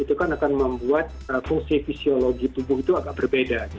itu kan akan membuat fungsi fisiologi tubuh itu agak berbeda